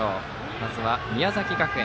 まずは、宮崎学園。